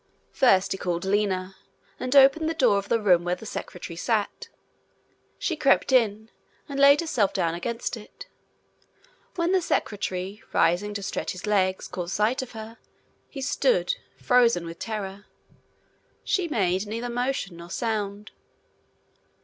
First he called Lina, and opened the door of the room where the secretary sat. She crept in, and laid herself down against it. When the secretary, rising to stretch his legs, caught sight of her eyes, he stood frozen with terror. She made neither motion nor sound.